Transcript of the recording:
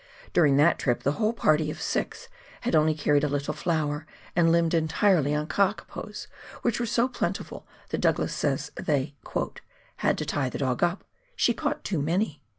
During that trip the whole party of six had only carried a little flour, and lived entirely on kakapos, which were so plentiful that Douglas says they " had to tie the dog up, she caught too many."